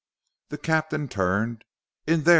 The captain turned. "In there!"